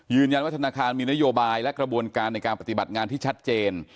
ธนาคารมีนโยบายและกระบวนการในการปฏิบัติงานที่ชัดเจน